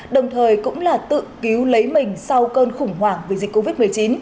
đồng thời cũng là tự cứu lấy mình sau cơn khủng hoảng vì dịch covid một mươi chín